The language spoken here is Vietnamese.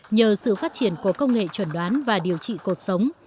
nhờ sự phát triển của công nghệ chẩn đoán và điều trị cuộc sống